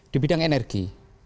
di bidang energi